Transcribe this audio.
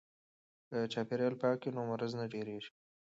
که چاپیریال پاک وي نو مرض نه ډیریږي.